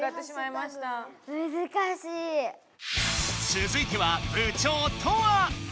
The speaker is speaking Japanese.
つづいては部長トア！